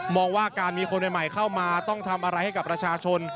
ว่าการมีคนใหม่เข้ามาต้องทำอะไรให้กับประชาชน